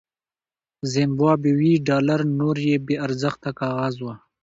زیمبابويي ډالر نور یو بې ارزښته کاغذ و.